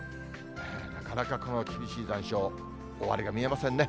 なかなかこの厳しい残暑、終わりが見えませんね。